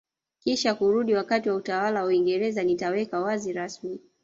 kisha kurudi wakati wa utawala wa Uingereza nitaweka wazi rasmi